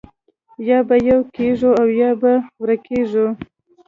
یا به یو کېږو او یا به ورکېږو